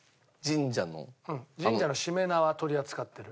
神社のしめ縄取り扱ってる。